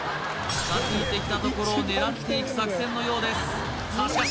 近づいてきたところを狙っていく作戦のようですさあ